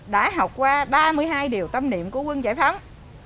đã học qua ba mươi hai điều tâm niệm của quân giải phóng